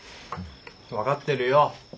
分かってるよ。